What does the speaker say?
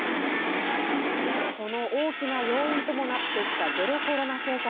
その大きな要因ともなってきたゼロコロナ政策。